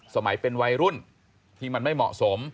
สมัยเป็นวัยรุ่นที่มันไม่เหมาะสม